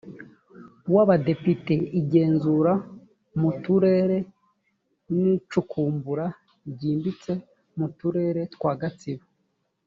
w abadepite igenzura mu turere n icukumbura ryimbitse mu turere twa gatsibo